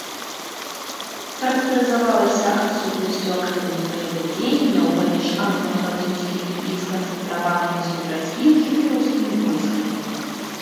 Характарызавалася адсутнасцю актыўных баявых дзеянняў паміж англа-французскімі і сканцэнтраванымі супраць іх гітлераўскімі войскамі.